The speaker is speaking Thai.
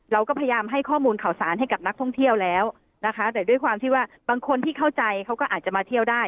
เราก็พยายามให้ข้อมูลข่าวสารให้กับนักท่องเที่ยวแล้วนะคะแต่ด้วยความที่ว่าบางคนที่เข้าใจเขาก็อาจจะมาเที่ยวได้